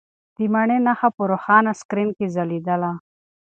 د مڼې نښه په روښانه سکرین کې ځلېدله.